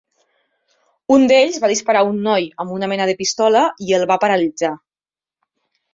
Un d'ells va disparar un noi amb una mena de pistola i el va paralitzar.